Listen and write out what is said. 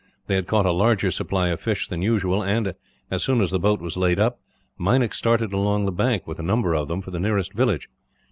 They had caught a larger supply of fish than usual and, as soon as the boat was laid up, Meinik started along the bank, with a number of them, for the nearest village.